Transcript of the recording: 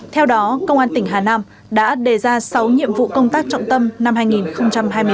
theo đó công an tỉnh hà nam đã đề ra sáu nhiệm vụ công tác trọng tâm năm hai nghìn hai mươi bốn